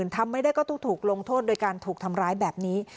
ทำไม่ได้ก็ต้องถูกลงโทษโดยการถูกทำร้ายแบบนี้